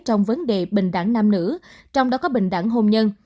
trong vấn đề bình đẳng nam nữ trong đó có bình đẳng hôn nhân